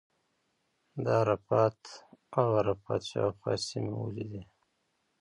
د عرفات او عرفات شاوخوا سیمې مو ولیدې.